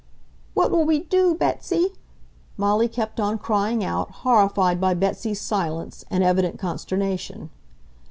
"What will we do, Betsy?" Molly kept on crying out, horrified by Betsy's silence and evident consternation.